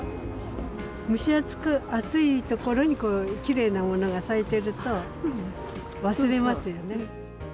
蒸し暑いところにこういうきれいなものが咲いていると、忘れますよね。